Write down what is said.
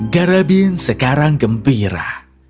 garabin sekarang gembira